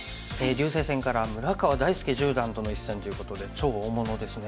竜星戦から村川大介十段との一戦ということで超大物ですね。